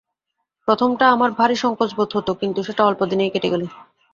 প্রথমটা আমার ভারি সংকোচ বোধ হত, কিন্তু সেটা অল্প দিনেই কেটে গেল।